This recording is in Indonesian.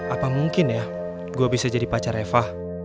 apa mungkin ya gue bisa jadi pacar eva